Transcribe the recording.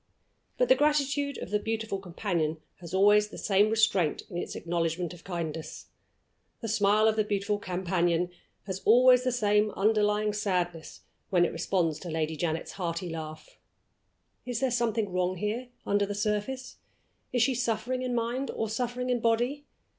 But the gratitude of the beautiful companion has always the same restraint in its acknowledgment of kindness; the smile of the beautiful companion has always the same underlying sadness when it responds to Lady Janet's hearty laugh. Is there something wrong here, under the surface? Is she suffering in mind, or suffering in body?